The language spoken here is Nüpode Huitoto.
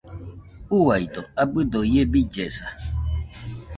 Uaido, abɨdo ie billesa.